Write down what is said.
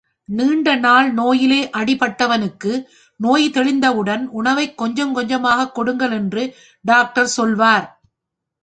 நீண்ட நாள் நோயிலே அடிப்பட்டவனுக்கு நோய் தெளிந்தவுடன் உணவைக் கொஞ்சம் கொஞ்சமாகக் கொடுங்கள் என்று டாக்டர் சொல்வார்.